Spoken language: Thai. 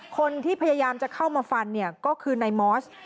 คนที่พยายามจะเข้ามาฟันก็คือนายมอส